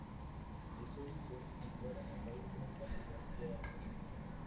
Eso hizo que entraran al país gran cantidad de armas.